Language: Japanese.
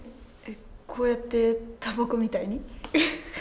こうやって、たばこみたいに。